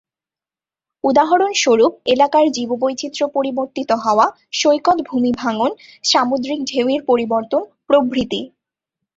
উদাহরণস্বরূপ, এলাকার জীববৈচিত্র্য পরিবর্তিত হওয়া, সৈকত ভূমি ভাঙন, সামুদ্রিক ঢেউয়ের পরিবর্তন প্রভৃতি।